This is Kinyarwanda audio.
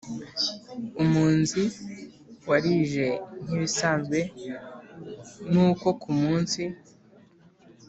umunzi warije nkibisanzwe nuko kumunsi